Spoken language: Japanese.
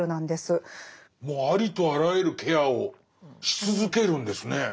もうありとあらゆるケアをし続けるんですね。